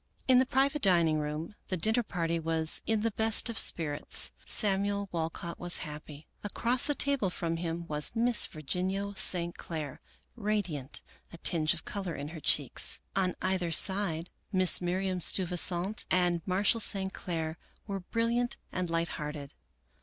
In the private dining room the dinner party was in the best of spirits. Samuel Walcott was happy. Across the table from him was Miss Virginia St. Clair, radiant, a tinge of color in her cheeks. On either side, Mrs, Miriam Steu visant and Marshall St. Clair were brilliant and light hearted.